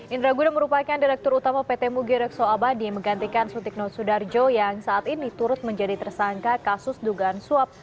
indra guna merupakan direktur utama pt mugirekso abadi menggantikan sutikno sudarjo yang saat ini turut menjadi tersangka kasus dugaan suap